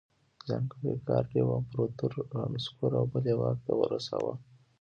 ځانګړي ګارډ یو امپرتور رانسکور او بل یې واک ته رساوه